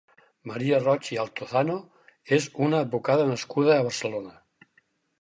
Marina Roig i Altozano és una advocada nascuda a Barcelona.